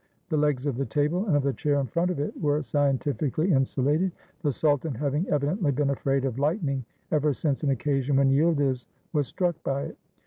The legs of the table and of the chair in front of it were scientifically insulated, the suJtan having evidently been afraid of lightning ever since an occasion when Yildiz was struck by it.